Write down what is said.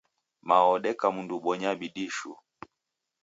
Mao odeka mundu obonya bidii shuu.